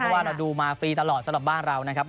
เพราะว่าเราดูมาฟรีตลอดสำหรับบ้านเรานะครับ